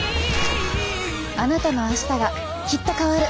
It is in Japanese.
あなたの明日がきっと変わる。